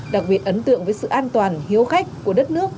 đặc biệt ấn tượng với sự an toàn hiếu khách của đất nước